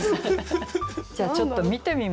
じゃあちょっと見てみましょうか。